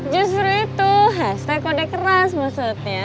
justru itu hashtag kode keras maksudnya